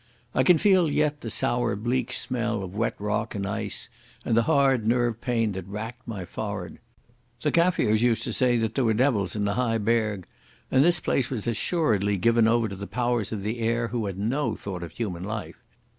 I can feel yet the sour, bleak smell of wet rock and ice and the hard nerve pain that racked my forehead. The Kaffirs used to say that there were devils in the high berg, and this place was assuredly given over to the powers of the air who had no thought of human life.